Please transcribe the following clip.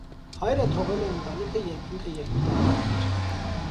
Հայրը թողել է ընտանիքը, երբ ինքը երկու տարեկան էր։